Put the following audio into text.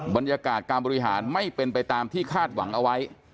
บรรยากาศการบริหารไม่เป็นไปตามที่คาดหวังเอาไว้